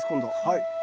はい。